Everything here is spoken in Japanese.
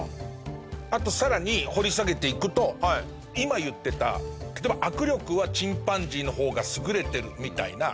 あと、更に掘り下げていくと今言ってた、例えば握力はチンパンジーの方が優れてるみたいな。